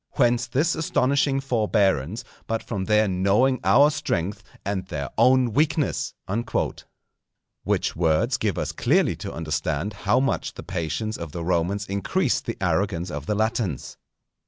Whence this astonishing forbearance, but from their knowing our strength and their own weakness_?" Which words give us clearly to understand how much the patience of the Romans increased the arrogance of the Latins.